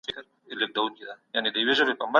کابل د افغانستان په سوله او ثبات کي مهم رول لري.